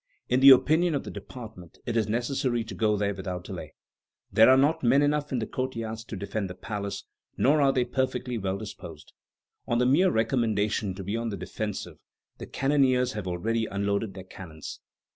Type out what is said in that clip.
In the opinion of the department, it is necessary to go there without delay. There are not men enough in the courtyards to defend the palace; nor are they perfectly well disposed. On the mere recommendation to be on the defensive, the cannoneers have already unloaded their cannons."